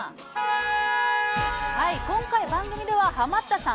今回番組ではハマったさん